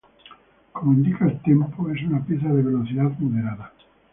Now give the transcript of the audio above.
Como indica el "tempo", es una pieza de velocidad moderada.